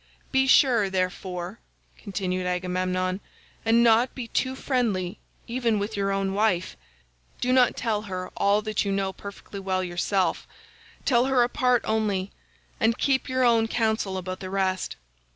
"'Be sure, therefore,' continued Agamemnon, 'and not be too friendly even with your own wife. Do not tell her all that you know perfectly well yourself. Tell her a part only, and keep your own counsel about the rest.